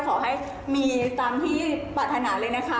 ขอให้มีตามที่ปรารถนาเลยนะคะ